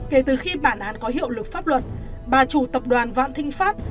kể từ khi bản án có hiệu lực pháp luật bà chủ tập đoàn vạn thịnh pháp